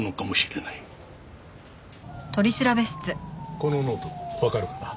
このノートわかるかな？